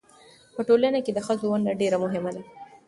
په ټولنه کې د ښځو ونډه ډېره مهمه ده.